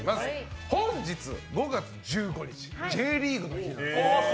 本日、５月１５日Ｊリーグの日です。